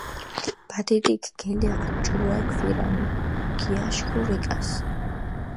ბადიდიქ გელეღჷ ჭურა ქვირამი, გიაშქუ რეკას.